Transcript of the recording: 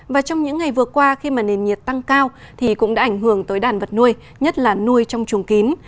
và trong những ngày vừa qua khi mà nền nhiệt tăng cao thì cũng đã ảnh hưởng tới đàn vật nuôi nhất là nuôi trong chuồng kín